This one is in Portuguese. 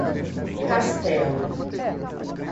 Castelo